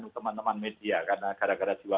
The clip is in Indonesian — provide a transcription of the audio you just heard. teman teman media karena gara gara juga